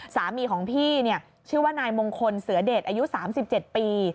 สามีของพี่ชื่อว่านายมงคลเสือเดชอายุ๓๗ปี